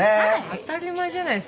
当たり前じゃないですか。